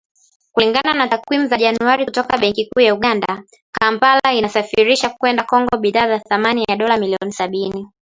Kulingana na takwimu za Januari kutoka Benki Kuu ya Uganda, Kampala inasafirisha kwenda Kongo bidhaa za thamani ya dola milioni sabini